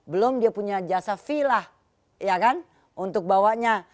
belum dia punya jasa vilah ya kan untuk bawanya